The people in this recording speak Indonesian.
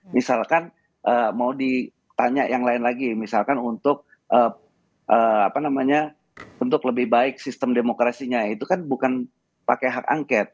misalkan mau ditanya yang lain lagi misalkan untuk lebih baik sistem demokrasinya itu kan bukan pakai hak angket